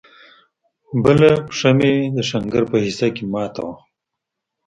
بله پښه مې د ښنگر په حصه کښې ماته وه.